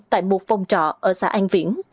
tại một phòng trọ ở xã an viễn